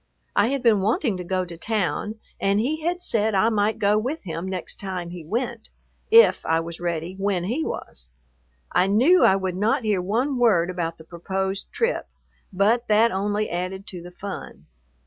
I had been wanting to go to town, and he had said I might go with him next time he went, if I was ready when he was. I knew I would not hear one word about the proposed trip, but that only added to the fun.